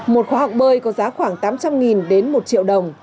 một khóa học bơi có giá khoảng tám trăm linh đến một triệu đồng